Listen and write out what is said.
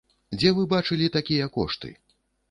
Дзе вы бачылі такія кошты?